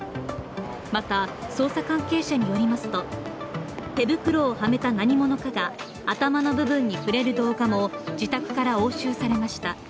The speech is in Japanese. また捜査関係者によりますと手袋をはめた何者かが、頭の部分に触れる動画も自宅から押収されました。